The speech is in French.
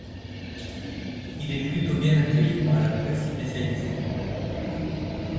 Il est plutôt bien accueilli par la presse spécialisée.